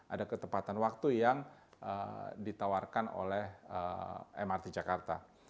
ada ketepatan waktu yang ditawarkan oleh mrt jakarta